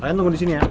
ayah nunggu disini ya